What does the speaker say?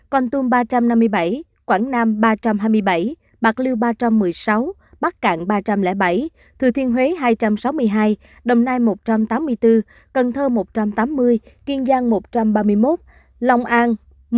con tum ba trăm năm mươi bảy quảng nam ba trăm hai mươi bảy bạc liêu ba trăm một mươi sáu bắc cạn ba trăm linh bảy thừa thiên huế hai trăm sáu mươi hai đồng nai một trăm tám mươi bốn cần thơ một trăm tám mươi kiên giang một trăm ba mươi một long an